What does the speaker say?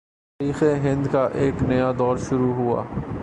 تاریخ ہند کا ایک نیا دور شروع ہوا